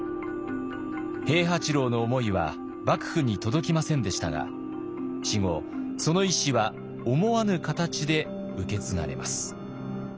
平八郎の思いは幕府に届きませんでしたが死後その遺志は思わぬ形で受け継がれます。